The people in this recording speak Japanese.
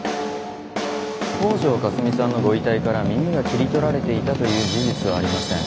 北條かすみさんのご遺体から耳が切り取られていたという事実はありません。